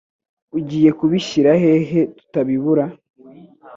Ugiye kubishyira hehe tutabibura?